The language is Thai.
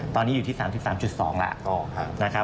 ตอนนี้อยู่ที่๓๓๒แล้วนะครับ